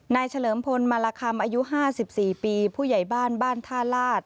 นายเฉลิมภูมิมาลคำอายุห้าสิบสี่ปีผู้ใหญ่บ้านบ้านท่าลาศ